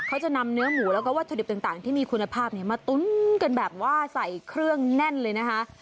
เขาจะนำเนื้อหมูแล้วก็วัตถุดิบต่างที่มีคุณภาพมาตุ้นกันแบบว่าใส่เครื่องแน่นเลยนะคะ